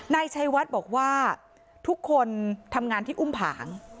นายชัยวัดบอกว่าทุกคนทำงานที่อุ้มผาง